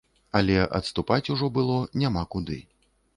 Але адступаць ужо было няма куды.